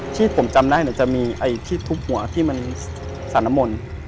ที่ผมจำได้จะมีไอ้ที่ทุบหัวที่มันสารมนต์